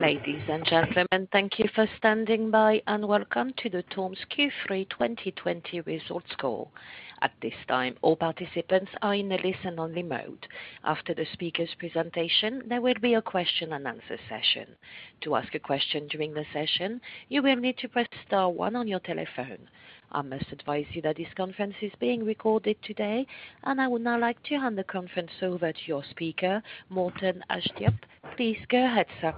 Ladies and gentlemen, thank you for standing by, and welcome to the TORM Q3 2020 results call. At this time, all participants are in a listen-only mode. After the speaker's presentation, there will be a question-and-answer session. To ask a question during the session, you will need to press star one on your telephone. I must advise you that this conference is being recorded today, and I would now like to hand the conference over to your speaker, Morten Agdrup. Please go ahead, sir.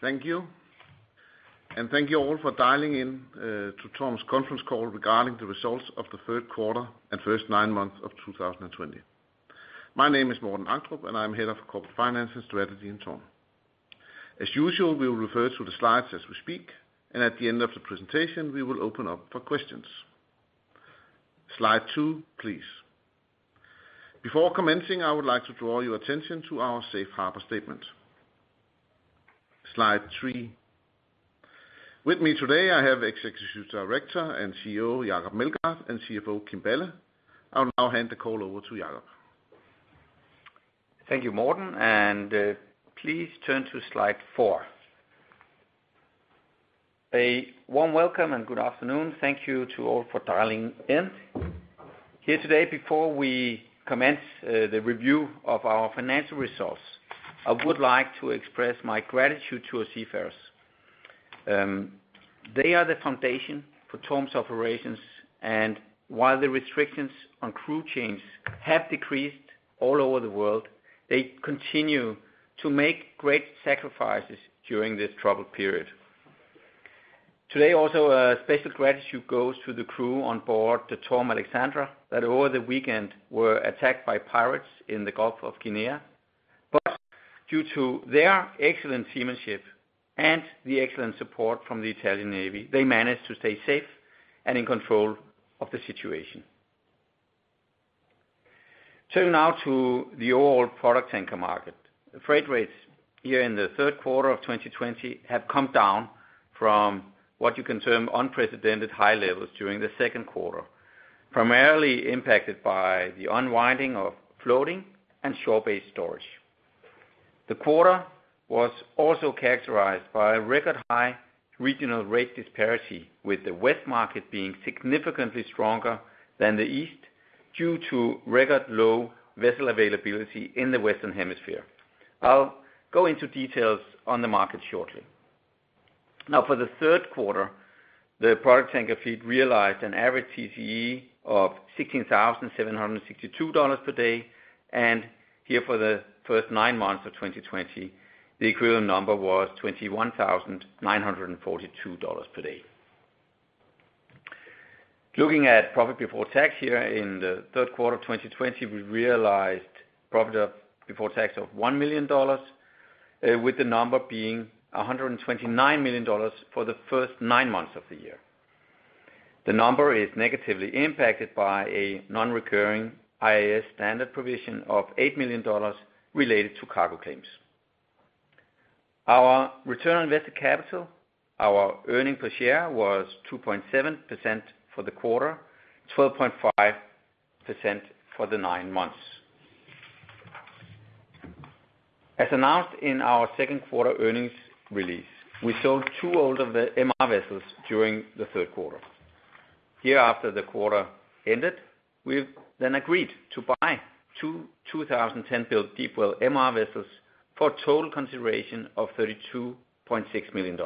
Thank you. And thank you all for dialing in to TORM's conference call regarding the results of the third quarter and first nine months of 2020. My name is Morten Agdrup, and I'm head of corporate finance and strategy in TORM. As usual, we will refer to the slides as we speak, and at the end of the presentation, we will open up for questions. Slide two, please. Before commencing, I would like to draw your attention to our safe harbor statement. Slide three. With me today, I have executive director and CEO, Jacob Meldgaard, and CFO, Kim Balle. I'll now hand the call over to Jacob. Thank you, Morten, and please turn to slide four. A warm welcome and good afternoon. Thank you to all for dialing in. Here today, before we commence the review of our financial results, I would like to express my gratitude to our seafarers. They are the foundation for TORM's operations, and while the restrictions on crew changes have decreased all over the world, they continue to make great sacrifices during this troubled period. Today, also, a special gratitude goes to the crew on board the TORM Alexandra that over the weekend were attacked by pirates in the Gulf of Guinea. Due to their excellent seamanship and the excellent support from the Italian Navy, they managed to stay safe and in control of the situation. Turning now to the overall product tanker market, the freight rates here in the third quarter of 2020 have come down from what you can term unprecedented high levels during the second quarter, primarily impacted by the unwinding of floating and shore-based storage. The quarter was also characterized by a record high regional rate disparity, with the west market being significantly stronger than the east due to record low vessel availability in the western hemisphere. I'll go into details on the market shortly. Now, for the third quarter, the product tanker fleet realized an average TCE of $16,762 per day, and here for the first nine months of 2020, the equivalent number was $21,942 per day. Looking at profit before tax here in the third quarter of 2020, we realized profit before tax of $1 million, with the number being $129 million for the first nine months of the year. The number is negatively impacted by a non-recurring IAS provision of $8 million related to cargo claims. Our return on invested capital, our earning per share, was 2.7% for the quarter, 12.5% for the nine months. As announced in our second quarter earnings release, we sold two older MR vessels during the third quarter. Here after the quarter ended, we then agreed to buy two 2010-built Deepwell MR vessels for a total consideration of $32.6 million.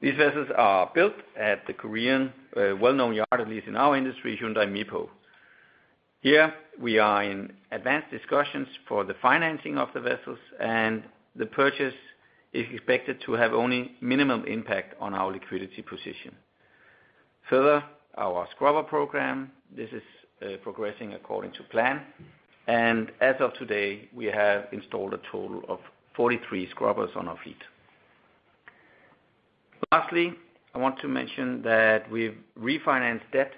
These vessels are built at the Korean, well-known yard at least in our industry, Hyundai Mipo. Here, we are in advanced discussions for the financing of the vessels, and the purchase is expected to have only minimal impact on our liquidity position. Further, our scrubber program, this is progressing according to plan, and as of today, we have installed a total of 43 scrubbers on our fleet. Lastly, I want to mention that we've refinanced debt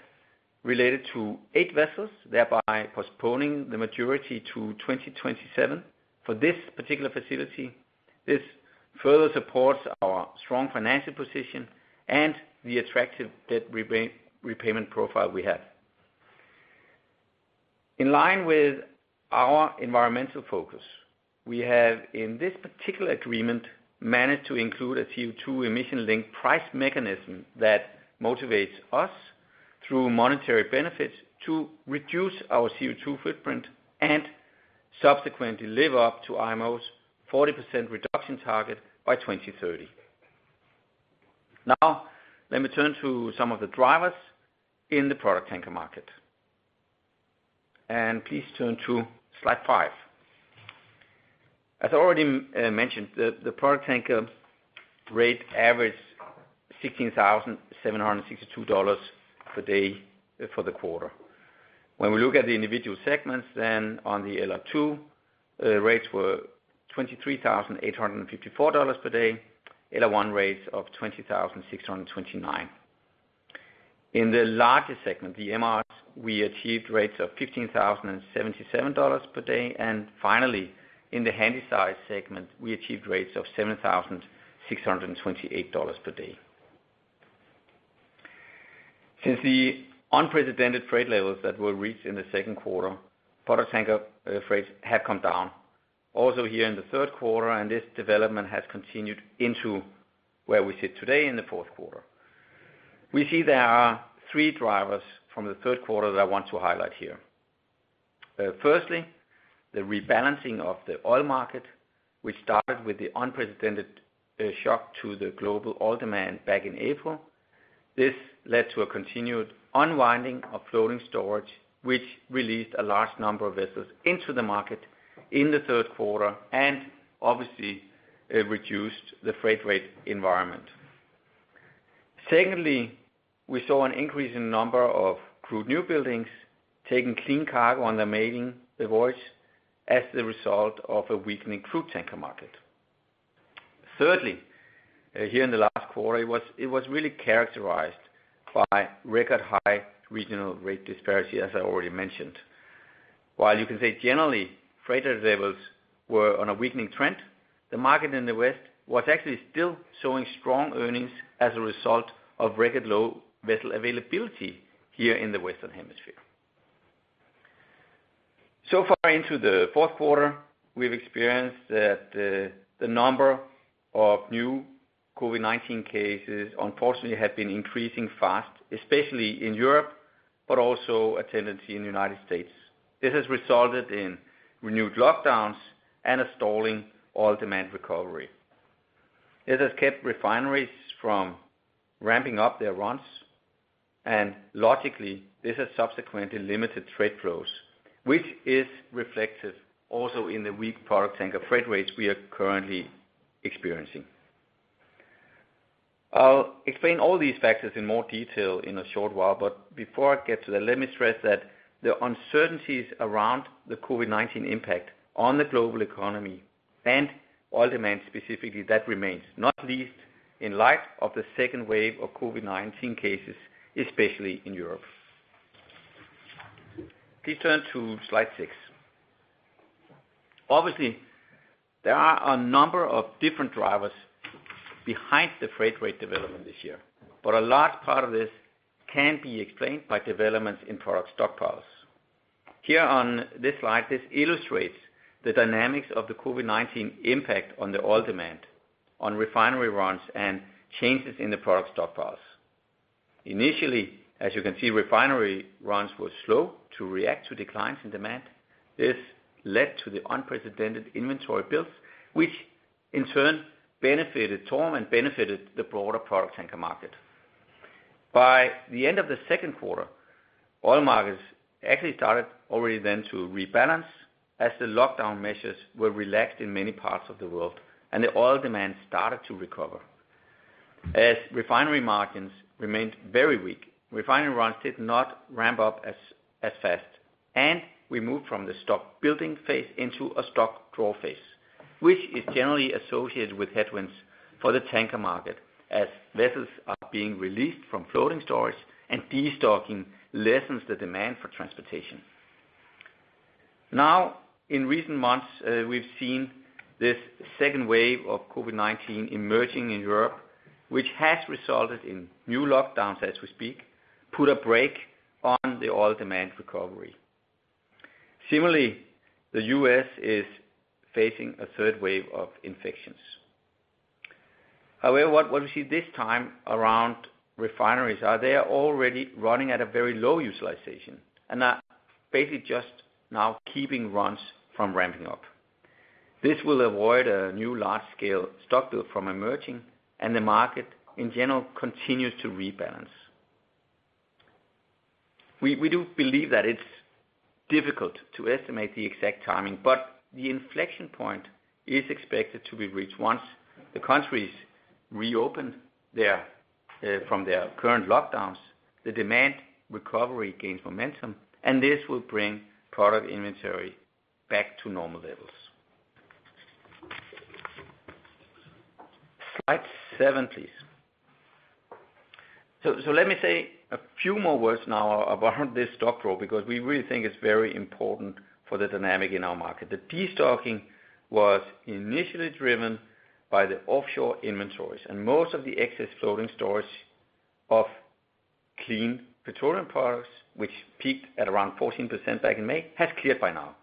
related to eight vessels, thereby postponing the maturity to 2027 for this particular facility. This further supports our strong financial position and the attractive debt repayment profile we have. In line with our environmental focus, we have in this particular agreement managed to include a CO2 emission-linked price mechanism that motivates us through monetary benefits to reduce our CO2 footprint and subsequently live up to IMO's 40% reduction target by 2030. Now, let me turn to some of the drivers in the product anchor market. And please turn to slide five. As I already mentioned, the product anchor rate averaged $16,762 per day for the quarter. When we look at the individual segments, then on the LR2, rates were $23,854 per day, LR1 rates of $20,629. In the larger segment, the MRs, we achieved rates of $15,077 per day, and finally, in the handy-sized segment, we achieved rates of $7,628 per day. Since the unprecedented freight levels that were reached in the second quarter, product tanker freights have come down. Also here in the third quarter, and this development has continued into where we sit today in the fourth quarter. We see there are three drivers from the third quarter that I want to highlight here. Firstly, the rebalancing of the oil market, which started with the unprecedented shock to the global oil demand back in April. This led to a continued unwinding of floating storage, which released a large number of vessels into the market in the third quarter and obviously reduced the freight rate environment. Secondly, we saw an increase in the number of crewed new buildings taking clean cargo on their mailing voice as the result of a weakening crewed tanker market. Thirdly, here in the last quarter, it was really characterized by record high regional rate disparity, as I already mentioned. While you can say generally freighter levels were on a weakening trend, the market in the west was actually still showing strong earnings as a result of record low vessel availability here in the western hemisphere. So far into the fourth quarter, we've experienced that the number of new COVID-19 cases unfortunately have been increasing fast, especially in Europe, but also a tendency in the United States. This has resulted in renewed lockdowns and a stalling of oil demand recovery. This has kept refineries from ramping up their runs. Logically, this has subsequently limited trade flows, which is reflective also in the weak product tanker freight rates we are currently experiencing. I'll explain all these factors in more detail in a short while. Before I get to that, let me stress that the uncertainties around the COVID-19 impact on the global economy and oil demand specifically that remains, not least in light of the second wave of COVID-19 cases, especially in Europe. Please turn to slide six. Obviously, there are a number of different drivers behind the freight rate development this year. A large part of this can be explained by developments in product stockpiles. Here on this slide, this illustrates the dynamics of the COVID-19 impact on the oil demand, on refinery runs, and changes in the product stockpiles. Initially, as you can see, refinery runs were slow to react to declines in demand. This led to the unprecedented inventory builds, which in turn benefited TORM and benefited the broader product anchor market. By the end of the second quarter, oil markets actually started already then to rebalance as the lockdown measures were relaxed in many parts of the world, and the oil demand started to recover. As refinery margins remained very weak, refinery runs did not ramp up as fast, and we moved from the stock building phase into a stock draw phase, which is generally associated with headwinds for the tanker market as vessels are being released from floating storage and destocking lessens the demand for transportation. Now, in recent months, we've seen this second wave of COVID-19 emerging in Europe, which has resulted in new lockdowns as we speak, put a brake on the oil demand recovery. Similarly, the U.S. is facing a third wave of infections. However, what we see this time around refineries are they are already running at a very low utilization and are basically just now keeping runs from ramping up. This will avoid a new large-scale stock build from emerging, and the market in general continues to rebalance. We do believe that it's difficult to estimate the exact timing, but the inflection point is expected to be reached once the countries reopen from their current lockdowns, the demand recovery gains momentum, and this will bring product inventory back to normal levels. Slide seven, please. So let me say a few more words now about this stock draw because we really think it's very important for the dynamic in our market. The destocking was initially driven by the offshore inventories, and most of the excess floating storage of clean petroleum products, which peaked at around 14% back in May, has cleared by now.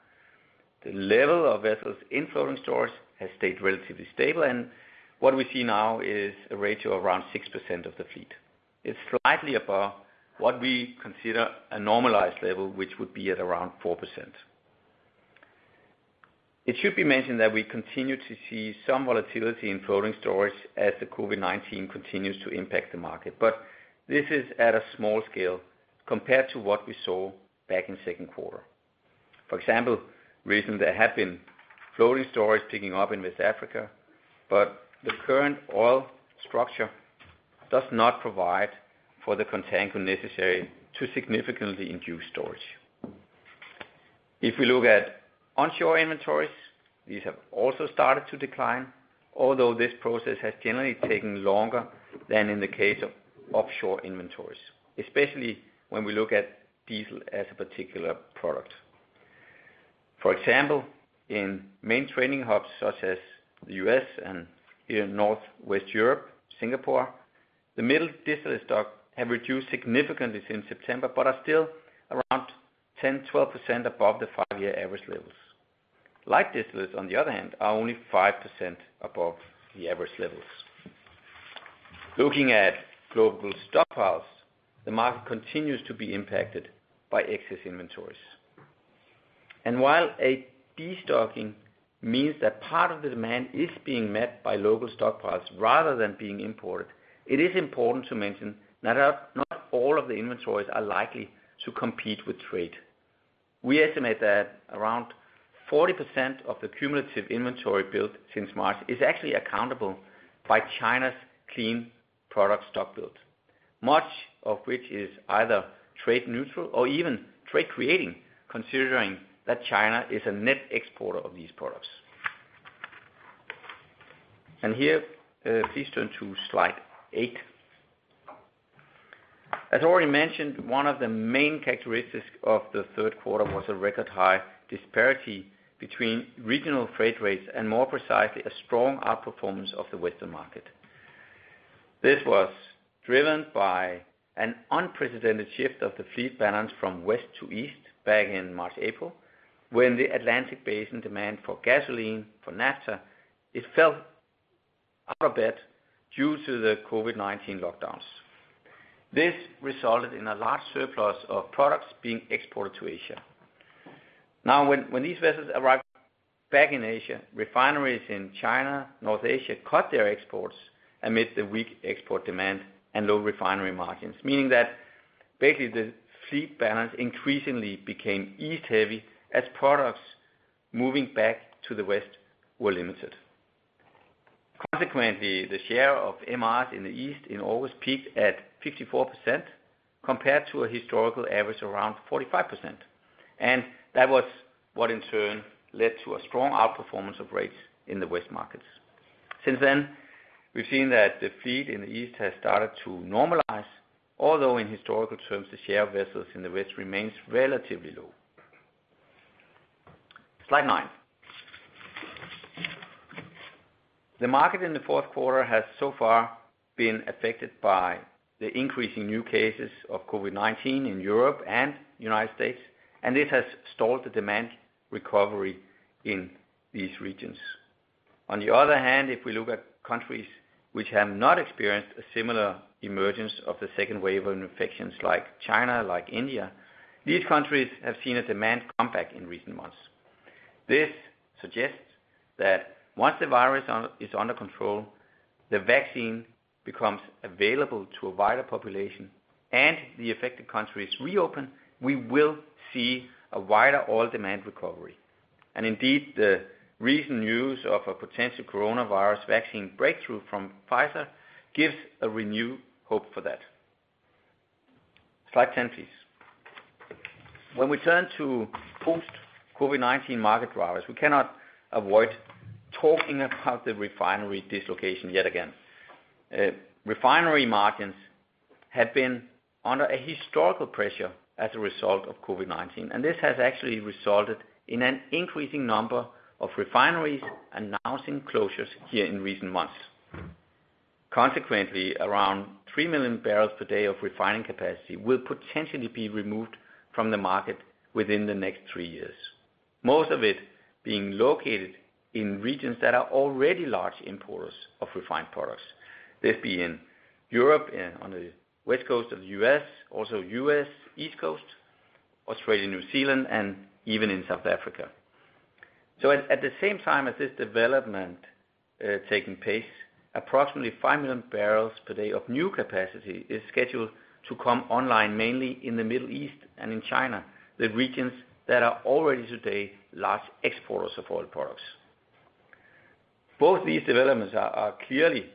The level of vessels in floating storage has stayed relatively stable, and what we see now is a rate of around 6% of the fleet. It's slightly above what we consider a normalized level, which would be at around 4%. It should be mentioned that we continue to see some volatility in floating storage as the COVID-19 continues to impact the market, but this is at a small scale compared to what we saw back in second quarter. For example, recently there had been floating storage picking up in Africa, but the current oil structure does not provide for the container necessary to significantly induce storage. If we look at onshore inventories, these have also started to decline, although this process has generally taken longer than in the case of offshore inventories, especially when we look at diesel as a particular product. For example, in main training hubs such as the U.S. and here in northwest Europe, Singapore, the middle distillate stock have reduced significantly since September, but are still around 10, 12% above the five-year average levels. Light distillates, on the other hand, are only 5% above the average levels. Looking at global stockpiles, the market continues to be impacted by excess inventories. And while a destocking means that part of the demand is being met by local stockpiles rather than being imported, it is important to mention that not all of the inventories are likely to compete with trade. We estimate that around 40% of the cumulative inventory built since March is actually accountable by China's clean product stock build, much of which is either trade neutral or even trade creating, considering that China is a net exporter of these products. And here, please turn to slide eight. As already mentioned, one of the main characteristics of the third quarter was a record high disparity between regional freight rates and more precisely a strong outperformance of the western market. This was driven by an unprecedented shift of the fleet balance from west to east back in March-April, when the Atlantic basin demand for gasoline for NAFTA fell out of bed due to the COVID-19 lockdowns. This resulted in a large surplus of products being exported to Asia. Now, when these vessels arrived back in Asia, refineries in China and North Asia cut their exports amid the weak export demand and low refinery margins, meaning that basically the fleet balance increasingly became east-heavy as products moving back to the west were limited. Consequently, the share of MRs in the east in August peaked at 54% compared to a historical average of around 45%, and that was what in turn led to a strong outperformance of rates in the west markets. Since then, we've seen that the fleet in the east has started to normalize, although in historical terms, the share of vessels in the west remains relatively low. Slide nine. The market in the fourth quarter has so far been affected by the increasing new cases of COVID-19 in Europe and the United States, and this has stalled the demand recovery in these regions. On the other hand, if we look at countries which have not experienced a similar emergence of the second wave of infections like China, like India, these countries have seen a demand come back in recent months. This suggests that once the virus is under control, the vaccine becomes available to a wider population, and the affected countries reopen, we will see a wider oil demand recovery. Indeed, the recent news of a potential coronavirus vaccine breakthrough from Pfizer gives a renewed hope for that. Slide 10, please. When we turn to post-COVID-19 market drivers, we cannot avoid talking about the refinery dislocation yet again. Refinery margins have been under a historical pressure as a result of COVID-19, and this has actually resulted in an increasing number of refineries announcing closures here in recent months. Consequently, around 3 million barrels per day of refining capacity will potentially be removed from the market within the next three years, most of it being located in regions that are already large importers of refined products. This being Europe on the west coast of the U.S., also U.S. East Coast, Australia, New Zealand, and even in South Africa. So at the same time as this development taking place, approximately 5 million barrels per day of new capacity is scheduled to come online mainly in the Middle East and in China, the regions that are already today large exporters of oil products. Both these developments are clearly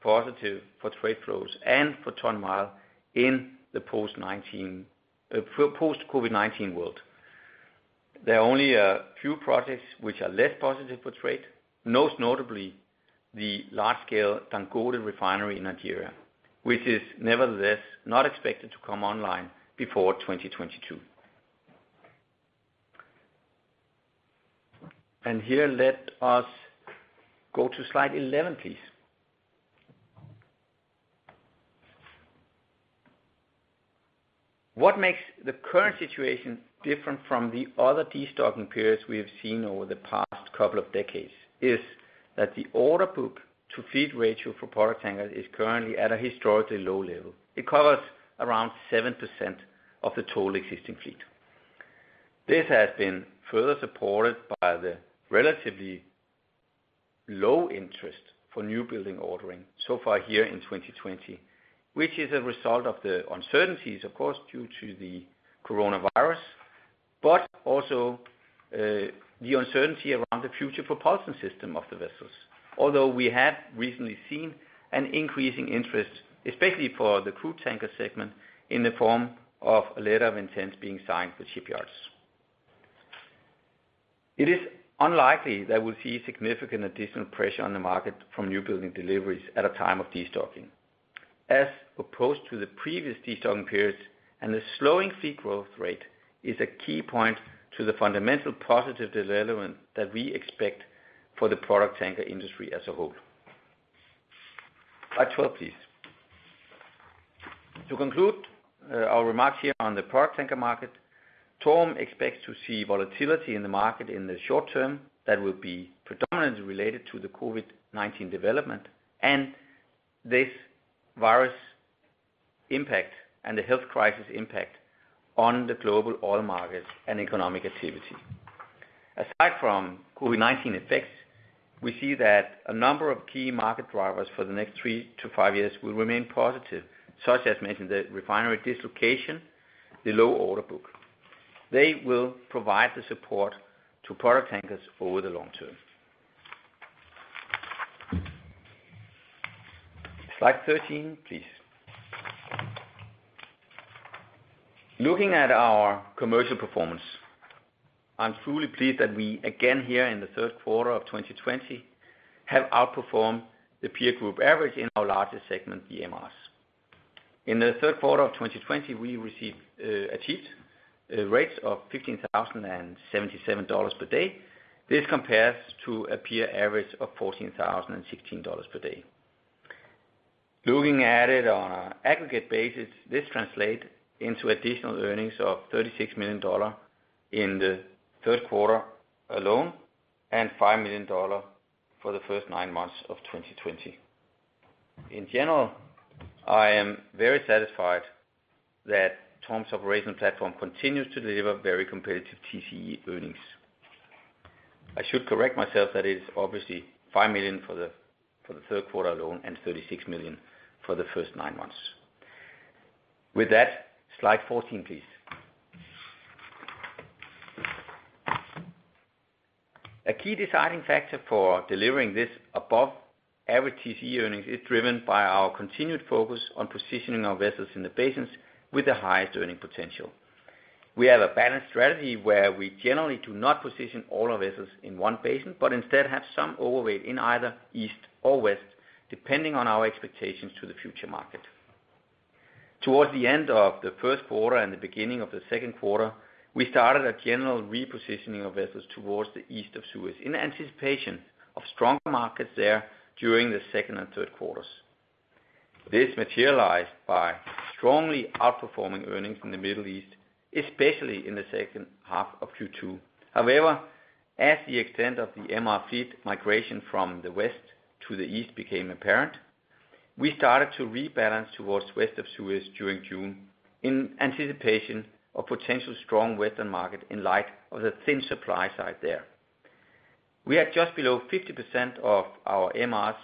positive for trade flows and for Tom Mile in the post-COVID-19 world. There are only a few projects which are less positive for trade, most notably the large-scale Dungordon refinery in Nigeria, which is nevertheless not expected to come online before 2022. And here, let us go to slide 11, please. What makes the current situation different from the other destocking periods we have seen over the past couple of decades is that the order book to feed ratio for product anchors is currently at a historically low level. It covers around 7% of the total existing fleet. This has been further supported by the relatively low interest for new building ordering so far here in 2020, which is a result of the uncertainties, of course, due to the coronavirus, but also the uncertainty around the future propulsion system of the vessels, although we have recently seen an increasing interest, especially for the crewed tanker segment, in the form of a letter of intent being signed with shipyards. It is unlikely that we'll see significant additional pressure on the market from new building deliveries at a time of destocking, as opposed to the previous destocking periods, and the slowing feed growth rate is a key point to the fundamental positive development that we expect for the product anchor industry as a whole. Slide 12, please. To conclude our remarks here on the product anchor market, TORM expects to see volatility in the market in the short term that will be predominantly related to the COVID-19 development and this virus impact and the health crisis impact on the global oil markets and economic activity. Aside from COVID-19 effects, we see that a number of key market drivers for the next three to five years will remain positive, such as mentioned the refinery dislocation, the low order book. They will provide the support to product anchors over the long term. Slide 13, please. Looking at our commercial performance, I'm truly pleased that we again here in the third quarter of 2020 have outperformed the peer group average in our largest segment, the MRs. In the third quarter of 2020, we achieved rates of $15,077 per day. This compares to a peer average of $14,016 per day. Looking at it on an aggregate basis, this translates into additional earnings of $36 million in the third quarter alone and $5 million for the first nine months of 2020. In general, I am very satisfied that TORM's operational platform continues to deliver very competitive TCE earnings. I should correct myself that it is obviously $5 million for the third quarter alone and $36 million for the first nine months. With that, slide 14, please. A key deciding factor for delivering this above-average TCE earnings is driven by our continued focus on positioning our vessels in the basins with the highest earning potential. We have a balanced strategy where we generally do not position all our vessels in one basin, but instead have some overweight in either east or west, depending on our expectations to the future market. Towards the end of the first quarter and the beginning of the second quarter, we started a general repositioning of vessels towards the East of Suez in anticipation of stronger markets there during the second and third quarters. This materialized by strongly outperforming earnings in the Middle East, especially in the second half of Q2. However, as the extent of the MR fleet migration from the west to the east became apparent, we started to rebalance towards West of Suez during June in anticipation of potential strong western market in light of the thin supply side there. We had just below 50% of our MRs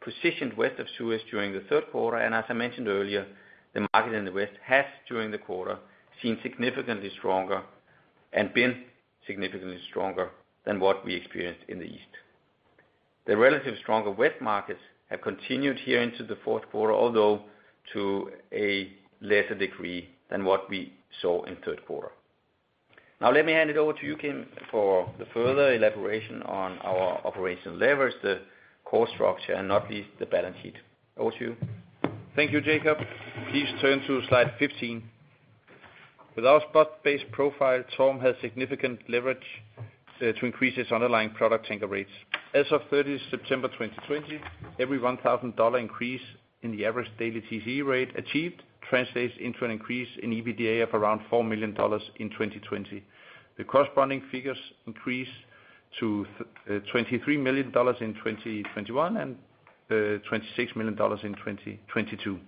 positioned West of Suez during the third quarter, and as I mentioned earlier, the market in the West has during the quarter seen significantly stronger and been significantly stronger than what we experienced in the east. The relatively stronger west markets have continued here into the fourth quarter, although to a lesser degree than what we saw in third quarter. Now, let me hand it over to you, Kim, for the further elaboration on our operational levers, the core structure, and not least the balance sheet. Over to you. Thank you, Jacob. Please turn to slide 15. With our spot-based profile, TORM has significant leverage to increase its underlying product anchor rates. As of 30 September 2020, every $1,000 increase in the average daily TCE rate achieved translates into an increase in EBITDA of around $4 million in 2020. The corresponding figures increase to $23 million in 2021 and $26 million in 2022.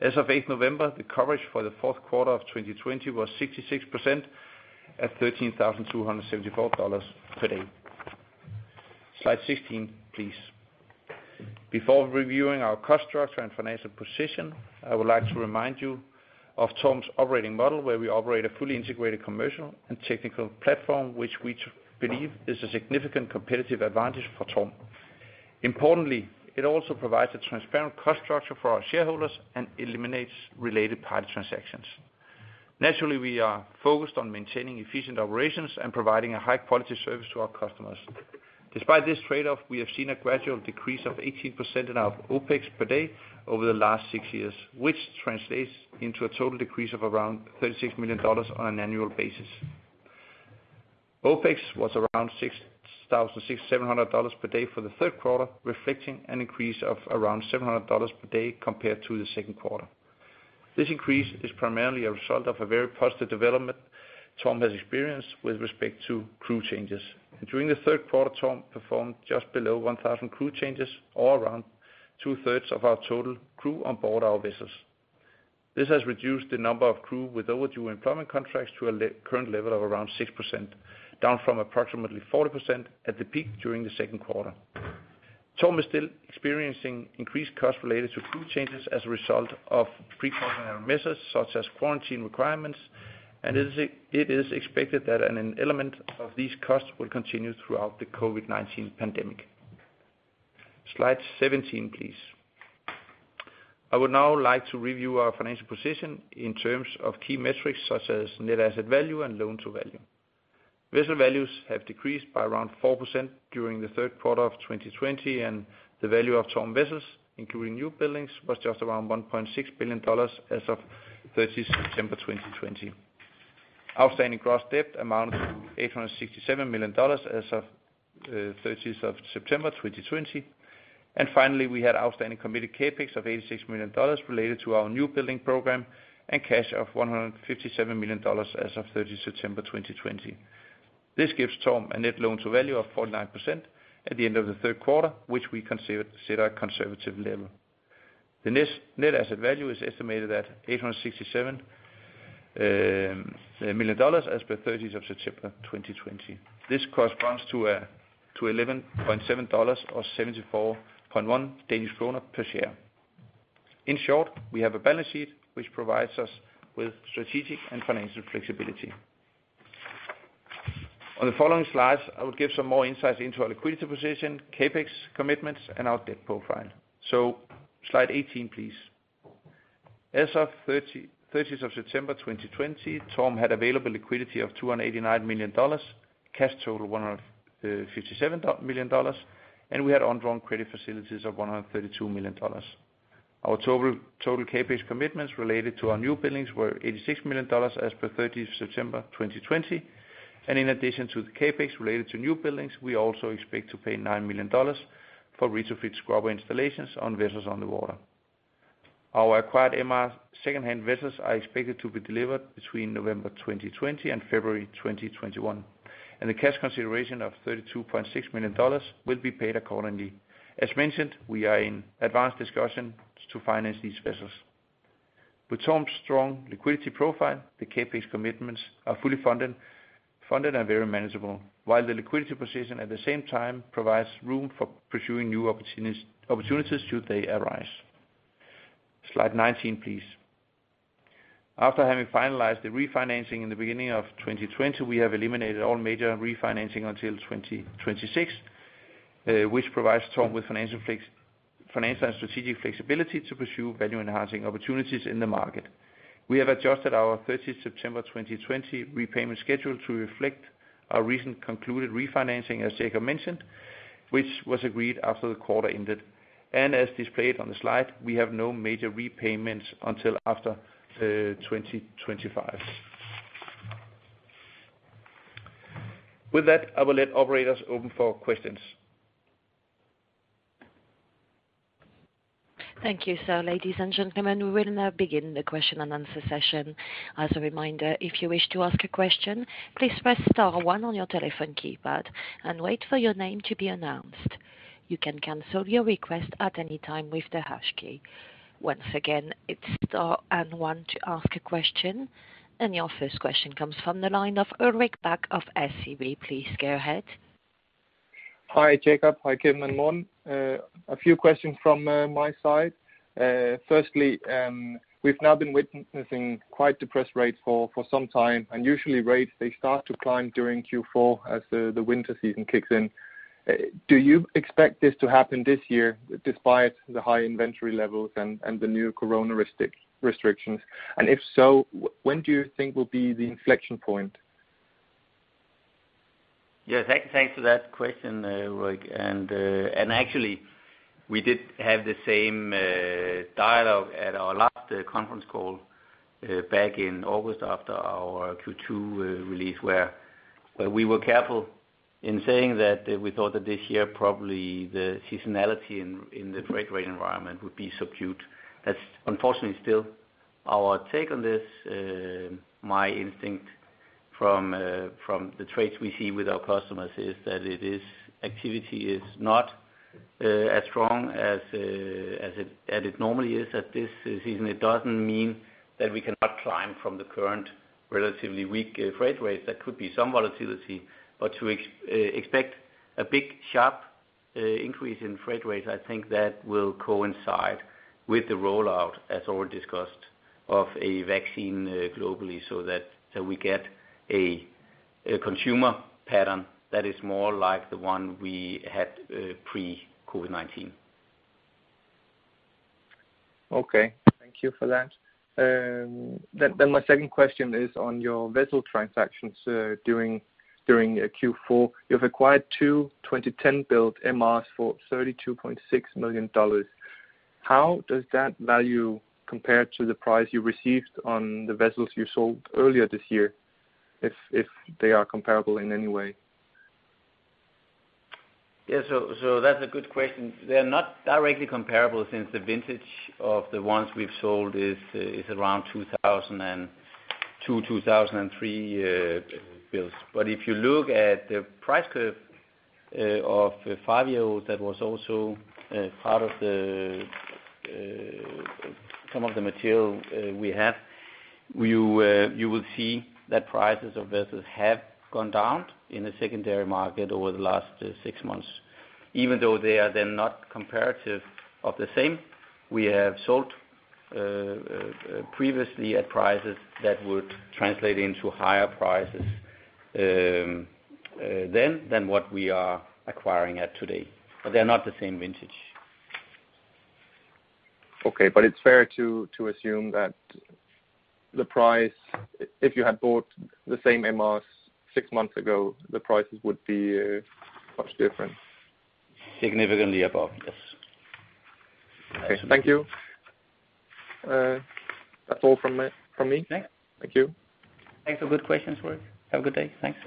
As of 8 November, the coverage for the fourth quarter of 2020 was 66% at $13,274 per day. Slide 16, please. Before reviewing our cost structure and financial position, I would like to remind you of TORM's operating model, where we operate a fully integrated commercial and technical platform, which we believe is a significant competitive advantage for TORM. Importantly, it also provides a transparent cost structure for our shareholders and eliminates related party transactions. Naturally, we are focused on maintaining efficient operations and providing a high-quality service to our customers. Despite this trade-off, we have seen a gradual decrease of 18% in our OPEX per day over the last six years, which translates into a total decrease of around $36 million on an annual basis. OPEX was around $6,700 per day for the third quarter, reflecting an increase of around $700 per day compared to the second quarter. This increase is primarily a result of a very positive development TORM has experienced with respect to crew changes. During the third quarter, TORM performed just below 1,000 crew changes, or around two-thirds of our total crew onboard our vessels. This has reduced the number of crew with overdue employment contracts to a current level of around 6%, down from approximately 40% at the peak during the second quarter. TORM is still experiencing increased costs related to crew changes as a result of precautionary measures such as quarantine requirements, and it is expected that an element of these costs will continue throughout the COVID-19 pandemic. Slide 17, please. I would now like to review our financial position in terms of key metrics such as net asset value and loan-to-value. Vessel values have decreased by around 4% during the third quarter of 2020, and the value of TORM vessels, including new buildings, was just around $1.6 billion as of 30 September 2020. Outstanding gross debt amounted to $867 million as of 30 September 2020. And finally, we had outstanding committed Capex of $86 million related to our new building program and cash of $157 million as of 30 September 2020. This gives TORM a net loan-to-value of 49% at the end of the third quarter, which we consider a conservative level. The net asset value is estimated at $867 million as per 30 September 2020. This corresponds to $11.7 or 74.1 Danish kroner per share. In short, we have a balance sheet which provides us with strategic and financial flexibility. On the following slides, I will give some more insights into our liquidity position, capex commitments, and our debt profile. So slide 18, please. As of 30 September 2020, TORM had available liquidity of $289 million, cash total $157 million, and we had ongoing credit facilities of $132 million. Our total capex commitments related to our new buildings were $86 million as per 30 September 2020. And in addition to the Capex related to new buildings, we also expect to pay $9 million for retrofit scrubber installations on vessels on the water. Our acquired MR second-hand vessels are expected to be delivered between November 2020 and February 2021. And the cash consideration of $32.6 million will be paid accordingly. As mentioned, we are in advanced discussion to finance these vessels. With TORM's strong liquidity profile, the Capex commitments are fully funded and very manageable, while the liquidity position at the same time provides room for pursuing new opportunities should they arise. Slide 19, please. After having finalized the refinancing in the beginning of 2020, we have eliminated all major refinancing until 2026, which provides TORM with financial and strategic flexibility to pursue value-enhancing opportunities in the market. We have adjusted our 30 September 2020 repayment schedule to reflect our recent concluded refinancing, as Jacob mentioned, which was agreed after the quarter ended. And as displayed on the slide, we have no major repayments until after 2025. With that, I will let operators open for questions. Thank you so, ladies and gentlemen. We will now begin the question and answer session. As a reminder, if you wish to ask a question, please press star one on your telephone keypad and wait for your name to be announced. You can cancel your request at any time with the hash key. Once again, it's star and one to ask a question. And your first question comes from the line of Ulrik Back of SCB. Please go ahead. Hi, Jacob. Hi, Kim and Morne. A few questions from my side. Firstly, we've now been witnessing quite depressed rates for some time. Usually, rates they start to climb during Q4 as the winter season kicks in. Do you expect this to happen this year despite the high inventory levels and the new corona restrictions? If so, when do you think will be the inflection point? Yeah, thanks for that question, Ulrik. Actually, we did have the same dialogue at our last conference call back in August after our Q2 release where we were careful in saying that we thought that this year probably the seasonality in the freight rate environment would be subdued. That's unfortunately still our take on this. My instinct from the trades we see with our customers is that activity is not as strong as it normally is at this season. It doesn't mean that we cannot climb from the current relatively weak freight rates. There could be some volatility. But to expect a big, sharp increase in freight rates, I think that will coincide with the rollout, as already discussed, of a vaccine globally so that we get a consumer pattern that is more like the one we had pre-COVID-19. Okay. Thank you for that. Then my second question is on your vessel transactions during Q4. You've acquired two 2010-built MRs for $32.6 million. How does that value compare to the price you received on the vessels you sold earlier this year, if they are comparable in any way? Yeah, so that's a good question. They're not directly comparable since the vintage of the ones we've sold is around 2002, 2003 builds. But if you look at the price curve of five-year-olds that was also part of some of the material we have, you will see that prices of vessels have gone down in the secondary market over the last six months. Even though they are then not comparatively the same, we have sold previously at prices that would translate into higher prices then than what we are acquiring at today. But they're not the same vintage. Okay. But it's fair to assume that the price, if you had bought the same MRs six months ago, the prices would be much different. Significantly above, yes. Okay. Thank you. That's all from me. Thank you. Thanks for good questions, Ulrik. Have a good day. Thanks.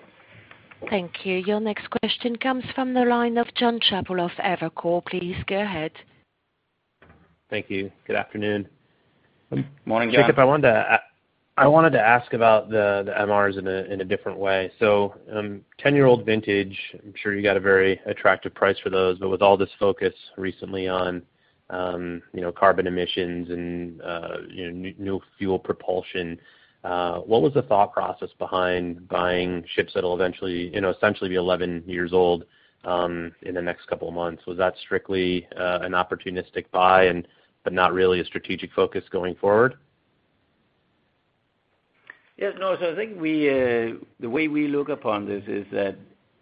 Thank you. Your next question comes from the line of John Chapel of Evercore. Please go ahead. Thank you. Good afternoon. Morning, Jacob. I wanted to ask about the MRs in a different way. So 10-year-old vintage, I'm sure you got a very attractive price for those. But with all this focus recently on carbon emissions and new fuel propulsion, what was the thought process behind buying ships that will essentially be 11 years old in the next couple of months? Was that strictly an opportunistic buy but not really a strategic focus going forward? Yeah. No, so I think the way we look upon this is that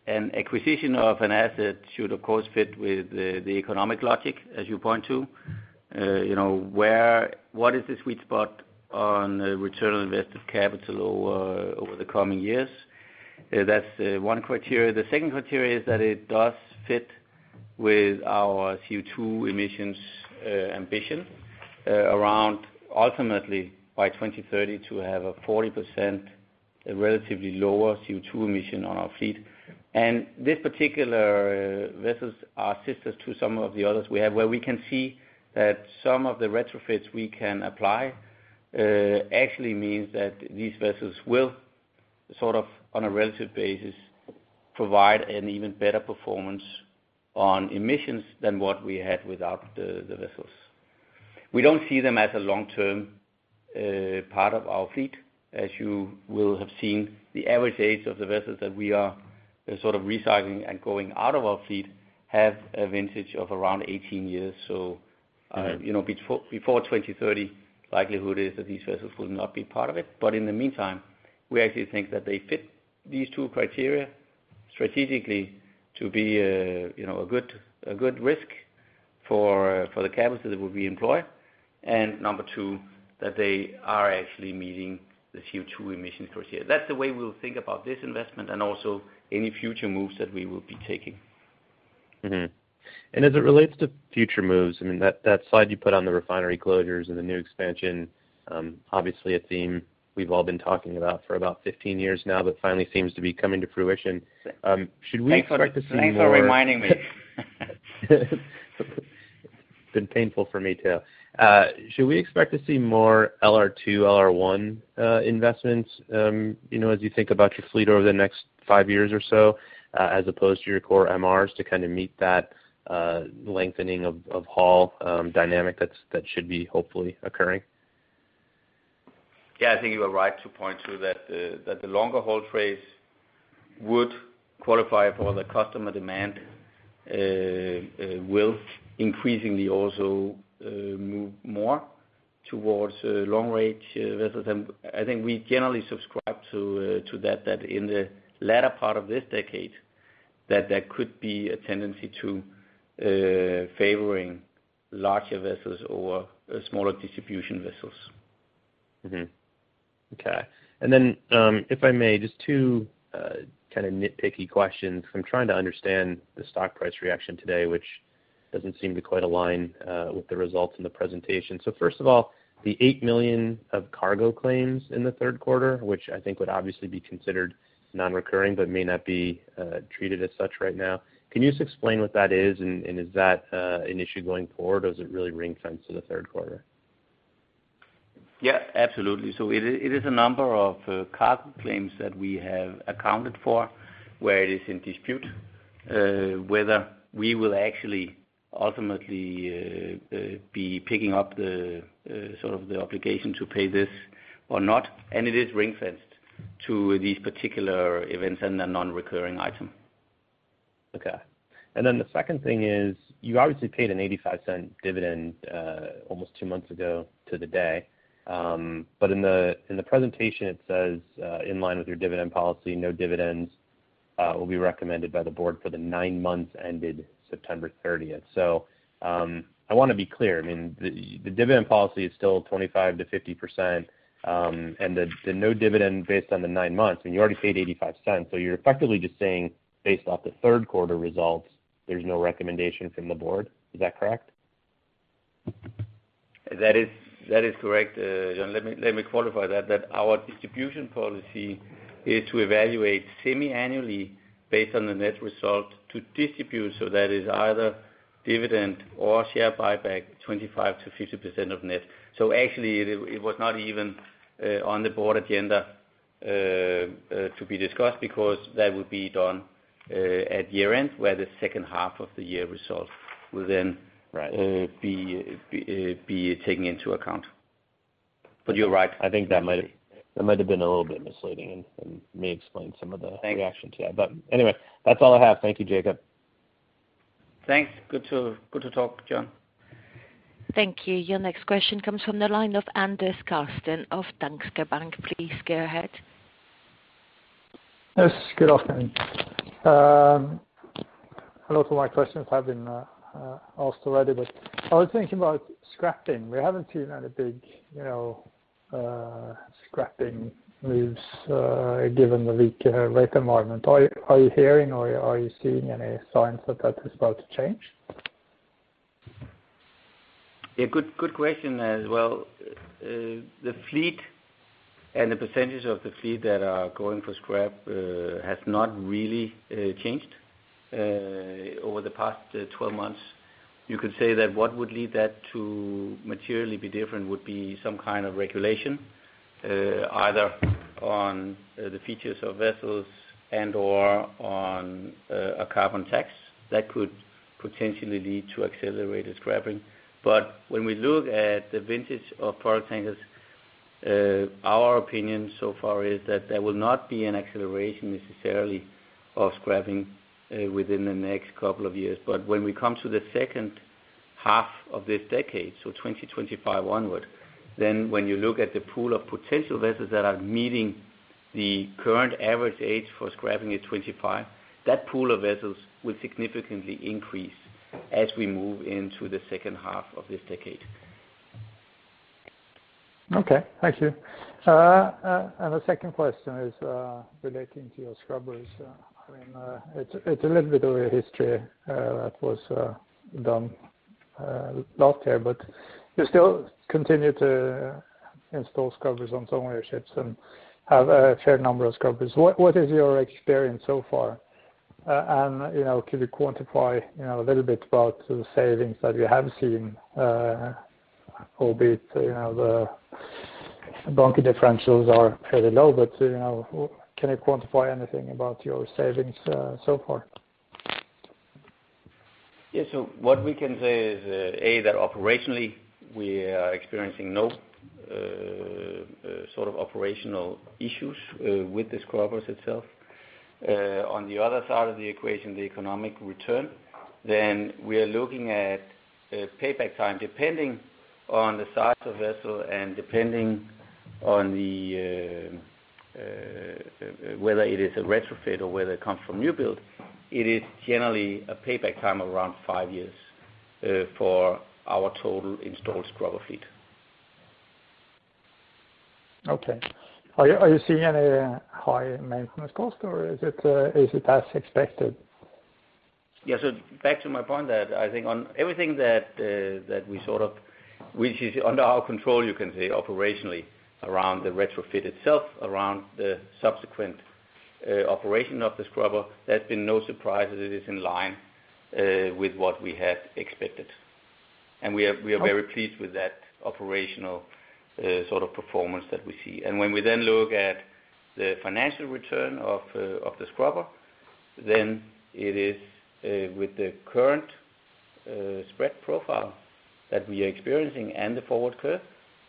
an acquisition of an asset should, of course, fit with the economic logic, as you point to. What is the sweet spot on return on invested capital over the coming years? That's one criteria. The second criteria is that it does fit with our CO2 emissions ambition around ultimately by 2030 to have a 40% relatively lower CO2 emission on our fleet. And these particular vessels are sisters to some of the others we have, where we can see that some of the retrofits we can apply actually means that these vessels will sort of, on a relative basis, provide an even better performance on emissions than what we had without the vessels. We don't see them as a long-term part of our fleet, as you will have seen. The average age of the vessels that we are sort of recycling and going out of our fleet have a vintage of around 18 years. So before 2030, the likelihood is that these vessels will not be part of it. But in the meantime, we actually think that they fit these two criteria strategically to be a good risk for the cables that we employ. And number two, that they are actually meeting the CO2 emissions criteria. That's the way we'll think about this investment and also any future moves that we will be taking. And as it relates to future moves, I mean, that slide you put on the refinery closures and the new expansion, obviously a theme we've all been talking about for about 15 years now that finally seems to be coming to fruition. Should we expect to see more? Thanks for reminding me. It's been painful for me too. Should we expect to see more LR2, LR1 investments as you think about your fleet over the next five years or so, as opposed to your core MRs to kind of meet that lengthening of haul dynamic that should be hopefully occurring? Yeah, I think you were right to point to that the longer-haul trades would qualify for the customer demand will increasingly also move more towards long-range vessels. And I think we generally subscribe to that, that in the latter part of this decade, that there could be a tendency to favoring larger vessels or smaller distribution vessels. Okay. And then, if I may, just two kind of nitpicky questions. I'm trying to understand the stock price reaction today, which doesn't seem to quite align with the results in the presentation. So first of all, the 8 million of cargo claims in the third quarter, which I think would obviously be considered non-recurring but may not be treated as such right now. Can you just explain what that is, and is that an issue going forward, or does it really ring a bell to the third quarter? Yeah, absolutely. So it is a number of cargo claims that we have accounted for where it is in dispute whether we will actually ultimately be picking up sort of the obligation to pay this or not. And it is ring-fenced to these particular events and a non-recurring item. Okay. And then the second thing is you obviously paid an 85-cent dividend almost two months ago to the day. But in the presentation, it says, "In line with your dividend policy, no dividends will be recommended by the board for the nine months ended September 30th." So I want to be clear. I mean, the dividend policy is still 25 to 50 percent, and the no dividend based on the nine months, I mean, you already paid 85 cents. So you're effectively just saying, based off the third quarter results, there's no recommendation from the board. Is that correct? That is correct. And let me qualify that, that our distribution policy is to evaluate semi-annually based on the net result to distribute. So that is either dividend or share buyback, 25 to 50 percent of net. So actually, it was not even on the board agenda to be discussed because that would be done at year-end, where the second half of the year result will then be taken into account. But you're right. I think that might have been a little bit misleading and may explain some of the reaction to that. But anyway, that's all I have. Thank you, Jacob. Thanks. Good to talk, John. Thank you. Your next question comes from the line of Andresen Karsten of Danske Bank. Please go ahead. Yes, good afternoon. A lot of my questions have been asked already, but I was thinking about scrapping. We haven't seen any big scrapping moves given the weak rate environment. Are you hearing or are you seeing any signs that that is about to change? Yeah, good question as well. The fleet and the percentage of the fleet that are going for scrap has not really changed over the past 12 months. You could say that what would lead that to materially be different would be some kind of regulation, either on the features of vessels and/or on a carbon tax that could potentially lead to accelerated scrapping. But when we look at the vintage of product changes, our opinion so far is that there will not be an acceleration necessarily of scrapping within the next couple of years. But when we come to the second half of this decade, so 2025 onward, then when you look at the pool of potential vessels that are meeting the current average age for scrapping at 25, that pool of vessels will significantly increase as we move into the second half of this decade. Okay. Thank you. And the second question is relating to your scrubbers. I mean, it's a little bit of a history that was done last year, but you still continue to install scrubbers on some of your ships and have a fair number of scrubbers. What is your experience so far? And could you quantify a little bit about the savings that you have seen, albeit the bunker differentials are fairly low? But can you quantify anything about your savings so far? Yeah. So what we can say is, A, that operationally we are experiencing no sort of operational issues with the scrubbers itself. On the other side of the equation, the economic return, then we are looking at payback time. Depending on the size of vessel and depending on whether it is a retrofit or whether it comes from new build, it is generally a payback time of around five years for our total installed scrubber fleet. Okay. Are you seeing any high maintenance cost, or is it as expected? Yeah. So back to my point, I think on everything that we sort of which is under our control, you can say operationally around the retrofit itself, around the subsequent operation of the scrubber, there's been no surprises. It is in line with what we had expected. And we are very pleased with that operational sort of performance that we see. And when we then look at the financial return of the scrubber, then it is with the current spread profile that we are experiencing and the forward curve,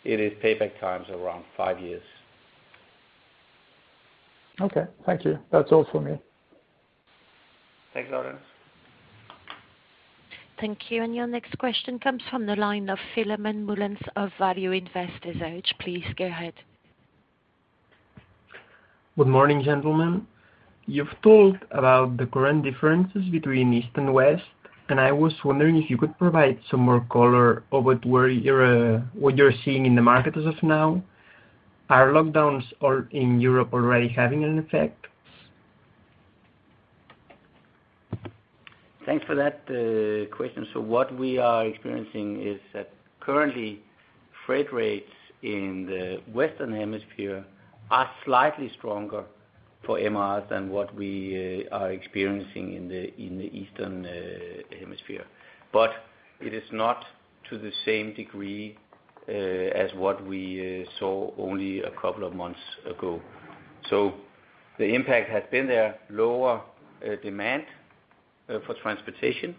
it is payback times around five years. Okay. Thank you. That's all from me. Thanks, Lawrence. Thank you. And your next question comes from the line of Philomane Mullins, of Value Investors Age. Please go ahead. Good morning, gentlemen. You've told about the current differences between east and west, and I was wondering if you could provide some more color of what you're seeing in the market as of now. Are lockdowns in Europe already having an effect? Thanks for that question. So what we are experiencing is that currently freight rates in the Western Hemisphere are slightly stronger for MRs than what we are experiencing in the Eastern Hemisphere. But it is not to the same degree as what we saw only a couple of months ago. So the impact has been there: lower demand for transportation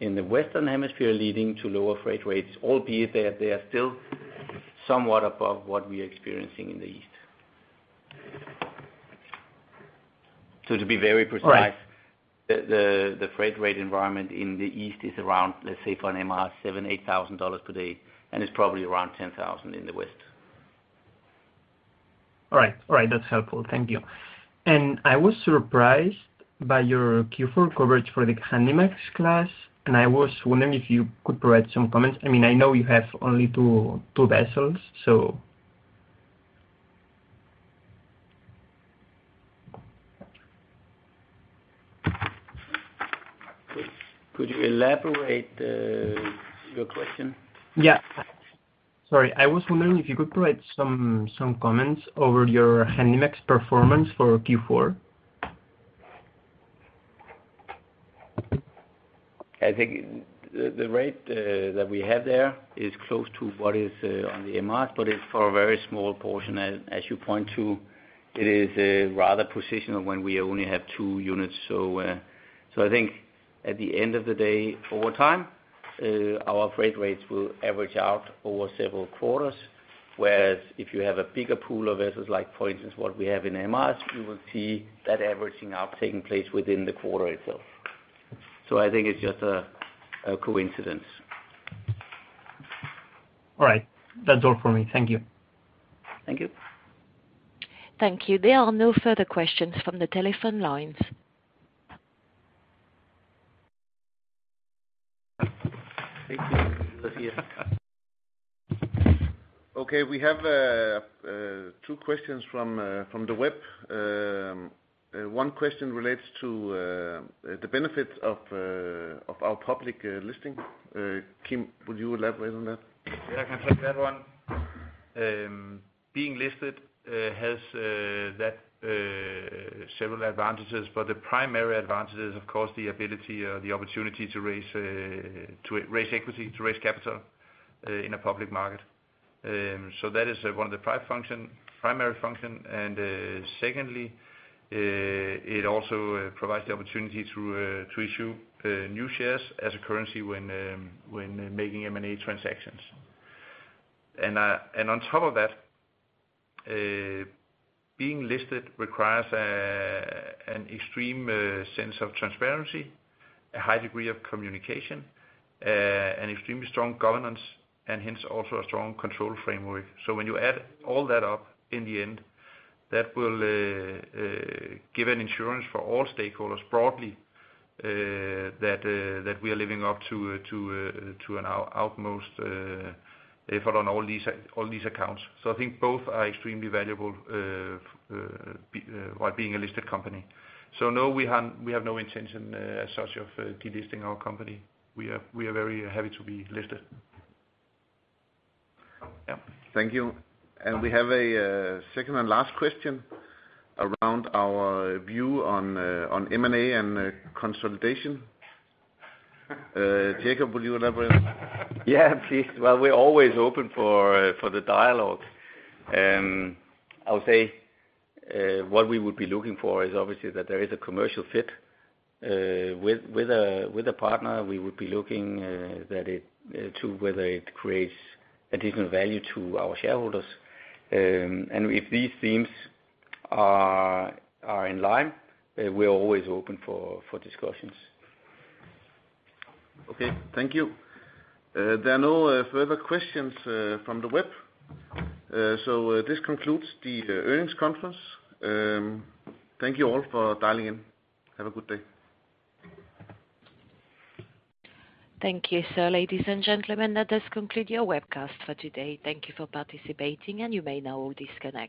in the Western Hemisphere leading to lower freight rates, albeit they are still somewhat above what we are experiencing in the east. So to be very precise, the freight rate environment in the east is around, let's say, for an MR, 7, 8 thousand dollars per day, and it's probably around 10,000 in the west. All right. All right. That's helpful. Thank you. And I was surprised by your Q4 coverage for the KhanDmax class, and I was wondering if you could provide some comments. I mean, I know you have only two vessels, so. Could you elaborate your question? Yeah. Sorry. I was wondering if you could provide some comments over your KhanDmax performance for Q4. I think the rate that we have there is close to what is on the MRs, but it's for a very small portion. As you point to, it is rather positional when we only have two units. So I think at the end of the day, over time, our freight rates will average out over several quarters, whereas if you have a bigger pool of vessels, like for instance, what we have in MRs, you will see that averaging out taking place within the quarter itself. So I think it's just a coincidence. All right. That's all for me. Thank you. Thank you. Thank you. There are no further questions from the telephone lines. Thank you, Olivia. Okay. We have two questions from the web. One question relates to the benefits of our public listing. Kim, would you elaborate on that? Yeah, I can take that one. Being listed has several advantages, but the primary advantage is, of course, the ability or the opportunity to raise equity, to raise capital in a public market. So that is one of the primary functions. And secondly, it also provides the opportunity to issue new shares as a currency when making M&A transactions. And on top of that, being listed requires an extreme sense of transparency, a high degree of communication, an extremely strong governance, and hence also a strong control framework. So when you add all that up in the end, that will give an insurance for all stakeholders broadly that we are living up to our outmost effort on all these accounts. So I think both are extremely valuable while being a listed company. So no, we have no intention as such of delisting our company. We are very happy to be listed. Yeah. Thank you. And we have a second and last question around our view on M&A and consolidation. Jacob, would you elaborate? Yeah, please. Well, we're always open for the dialogue. I would say what we would be looking for is obviously that there is a commercial fit with a partner. We would be looking to whether it creates additional value to our shareholders. And if these themes are in line, we're always open for discussions. Okay. Thank you. There are no further questions from the web. So this concludes the earnings conference. Thank you all for dialing in. Have a good day. Thank you. So ladies and gentlemen, that does conclude your webcast for today. Thank you for participating, and you may now all disconnect.